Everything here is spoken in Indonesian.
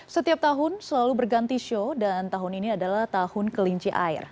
setiap tahun selalu berganti show dan tahun ini adalah tahun kelinci air